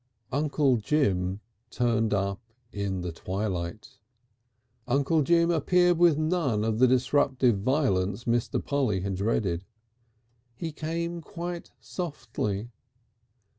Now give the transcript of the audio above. Uncle Jim turned up in the twilight. Uncle Jim appeared with none of the disruptive violence Mr. Polly had dreaded. He came quite softly.